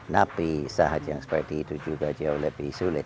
tapi saat yang seperti itu juga jauh lebih sulit